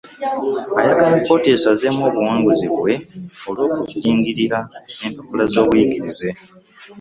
Ayagala kkooti esazeemu obuwanguzi bwe olw'okujingirira empapula z'obuyigirize